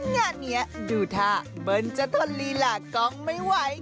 งานนี้ดูท่าเบิ้ลจะทนลีลากล้องไม่ไหว